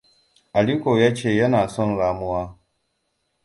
Aliko ya ce yana son ramuwa.